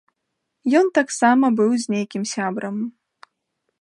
Ён таксама быў з нейкім сябрам.